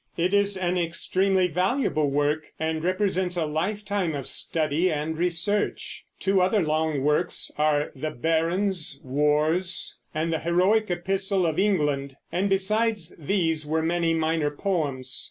It is an extremely valuable work and represents a lifetime of study and research. Two other long works are the Barons' Wars and the Heroic Epistle of England; and besides these were many minor poems.